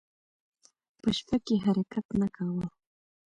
په شپه کې حرکت نه کاوه.